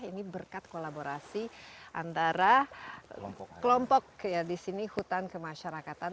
ini berkat kolaborasi antara kelompok ya di sini hutan kemasyarakatan